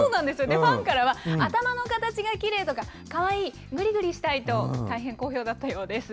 ファンからは、頭の形がきれいとか、かわいい、ぐりぐりしたいと、大変好評だったようです。